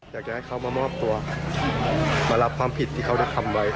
อยากจะให้เขามามอบตัวมารับความผิดที่เขาได้ทำไว้